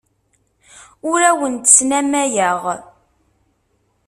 Ur awent-snamayeɣ.